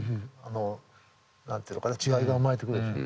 何て言うのかな違いが生まれてくるでしょ。